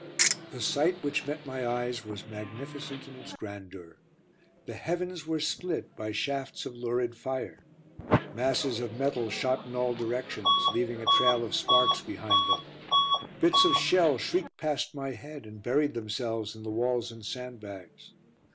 The sight which met my eyes was magnificent in its grandeur. The heavens were split by shafts of lurid fire. Masses of metal shot in all directions, leaving a trail of sparks behind them; bits of shell shrieked past my head and buried themselves in the walls and sandbags.